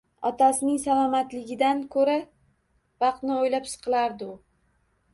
Otasining salomatligidan ko`ra vaqtni o`ylab siqilardi u